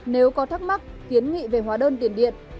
nếu có thắc mắc kiến nghị về hóa đơn tiền điện